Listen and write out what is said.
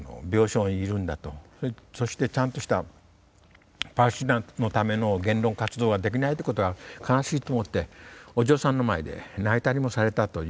そしてちゃんとしたパレスチナのための言論活動ができないってことが悲しいと思ってお嬢さんの前で泣いたりもされたとお嬢さん言われたんですよ。